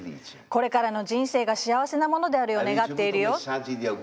これからの人生が幸せなものであるよう願っているよ。